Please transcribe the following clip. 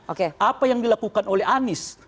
oke apa yang dilakukan oleh anies